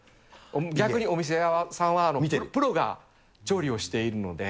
逆にお店屋さんは、プロが調理をしているので。